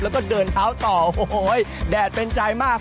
แล้วก็เดินเท้าต่อโอ้โหแดดเป็นใจมาก